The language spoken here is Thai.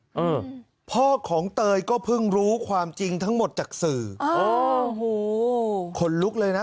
อืมพ่อของเตยก็เพิ่งรู้ความจริงทั้งหมดจากสื่อโอ้โหขนลุกเลยนะ